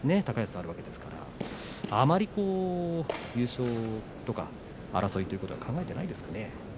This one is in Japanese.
高安とはあるわけですからあまり優勝とか争いということは考えていないんですかね。